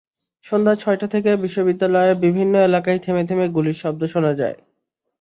সন্ধ্যা ছয়টা থেকে বিশ্ববিদ্যালয়ের বিভিন্ন এলাকায় থেমে থেমে গুলির শব্দ শোনা যায়।